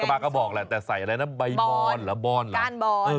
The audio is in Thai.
ปลากระบอกแหละแต่ใส่อะไรนะใบบอนหรือบอนหรือ